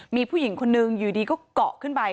มีผู้หญิงคนนึงอยู่ดีก็เกาะขึ้นไป